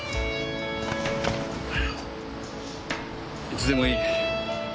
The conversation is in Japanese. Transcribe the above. いつでもいい。